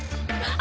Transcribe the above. あ。